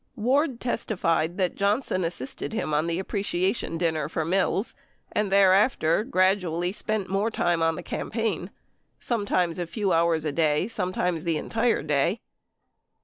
Ward testified that Johnson assisted him on the appreciation dinner for Mills and thereafter gradually spent more time on the campaign — sometimes a few hours a day, sometimes the entire day.